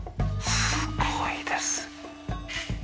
すごいです。